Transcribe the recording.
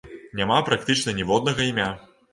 Няма практычна ніводнага імя.